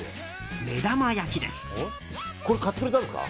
目玉焼きです。